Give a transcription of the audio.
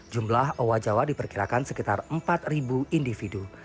jumlah owa jawa diperkirakan sekitar empat individu